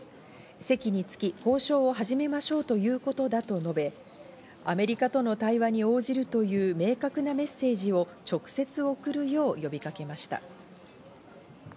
席につき、交渉を始めましょうと言うことだと述べ、アメリカとの対話に応じるという明確なメッセージを直接送るよう呼びかけました。